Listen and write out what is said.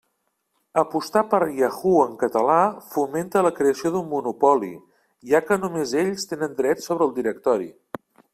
Apostar per Yahoo en català fomenta la creació d'un monopoli, ja que només ells tenen drets sobre el directori.